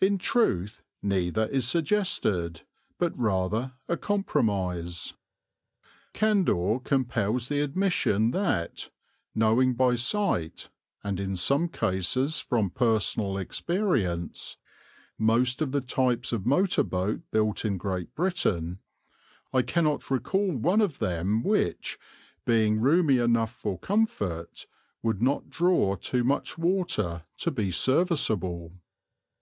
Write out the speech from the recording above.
In truth, neither is suggested, but rather a compromise. Candour compels the admission that, knowing by sight, and in some cases from personal experience, most of the types of motor boat built in Great Britain, I cannot recall one of them which, being roomy enough for comfort, would not draw too much water to be serviceable.